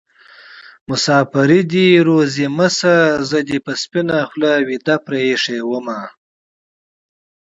مسافري دې روزي مه شه زه دې په سپينه خولې ويده پرې ايښې ومه